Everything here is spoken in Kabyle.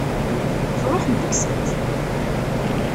Tṛuḥem deg-sent.